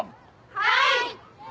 はい！